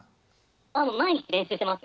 あもう毎日練習してます。